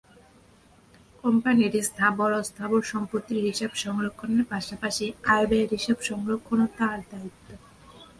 কোম্পানির স্থাবর-অস্থাবর সম্পত্তির হিসাব সংরক্ষণের পাশাপাশি আয়-ব্যয়ের হিসাব সংরক্ষণও তাঁর দায়িত্ব।